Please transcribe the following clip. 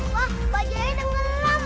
wah bajanya tenggelam